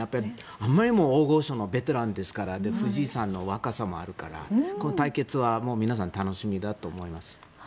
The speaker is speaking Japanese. あまりにも大御所のベテランですから藤井さんの若さもあるからこの対決は皆さん楽しみだと思います。